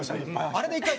あれで１回。